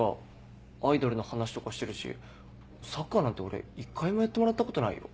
アイドルの話とかしてるしサッカーなんて俺一回もやってもらったことないよ。